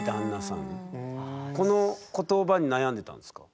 この言葉に悩んでたんですか？